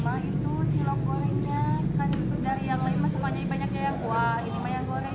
kan dari yang lain masih banyak yang goreng